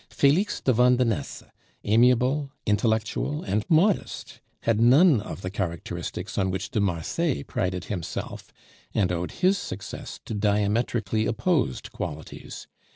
Felix de Vandenesse, amiable, intellectual, and modest, had none of the characteristics on which de Marsay prided himself, and owed his success to diametrically opposed qualities.